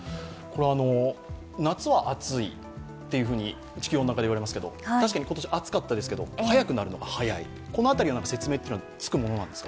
夏は暑いと地球温暖化で言われますが、確かに今年は暑かったですけど早くなるのが早い、この辺りは説明がつくものですか？